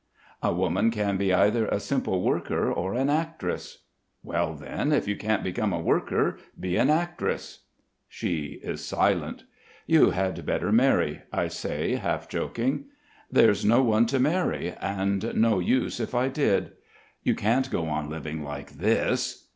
A woman can be either a simple worker or an actress." "Well, then if you can't become a worker, be an actress." She is silent. "You had better marry," I say, half joking. "There's no one to marry: and no use if I did." "You can't go on living like this."